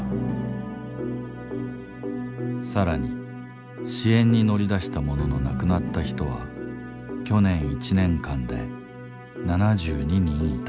更に支援に乗り出したものの亡くなった人は去年１年間で７２人いた。